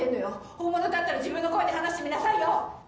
本物だったら自分の声で話してみなさいよ。